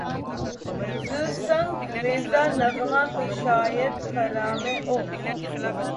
ز سنگ ریزہ نغمہ کشاید خرامِ او